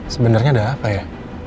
sebenarnya ada apa ya